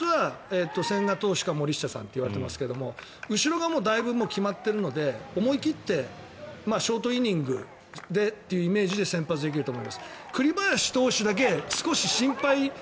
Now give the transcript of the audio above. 先発は千賀投手か森下さんといわれてますけれども後ろがだいぶ決まっているので思い切ってショートイニングでというイメージで先発できると思います。